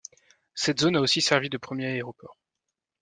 Cette zone a aussi servi de premier aéroport.